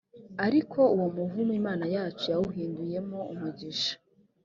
ariko uwo muvumo imana yacu yawuhinduyemo umugisha